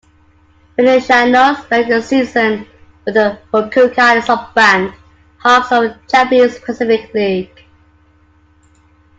Feliciano spent the season with the Fukuoka SoftBank Hawks of the Japanese Pacific League.